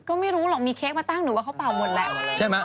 ก็ไม่รู้หรอกมีเค้กมาตั้งหนูว่าเขาเป่าหมดแหละใช่ไหม